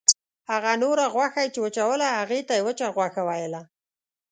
هغه نوره غوښه یې چې وچوله هغې ته یې وچه غوښه ویله.